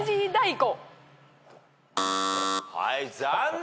はい残念！